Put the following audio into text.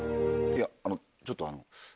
いやあのちょっと。